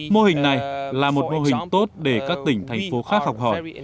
mô hình này là một mô hình tốt để các tỉnh thành phố khác học hỏi